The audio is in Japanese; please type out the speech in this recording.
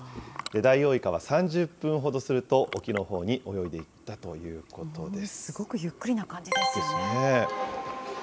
ダイオウイカは３０分ほどすると、沖のほうに泳いでいったというこすごくゆっくりな感じですよですね。